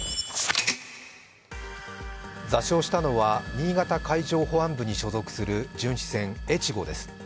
座礁したのは新潟海上保安部に所属する巡視船「えちご」です。